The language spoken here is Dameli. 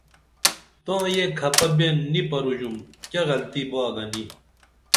تاں یہ کھپہ بین نی پروژُم کیہ غلطی باگنی